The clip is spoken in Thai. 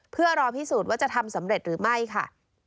เพื่อรอพิสูจน์ว่าจะทำสำเร็จหรือไม่ค่ะ